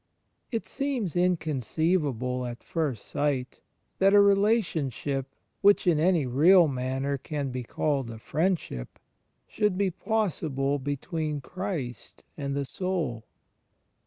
It seems inconceivable at first sight that a relation ship, which in any real manner can be called a friendship, should be possible between Christ and the soul.